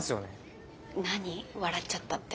笑っちゃったって。